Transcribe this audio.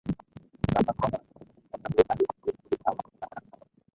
রান্না করার ঘণ্টা দুয়েক আগে বের করে স্বাভাবিক তাপে রাখতে হবে।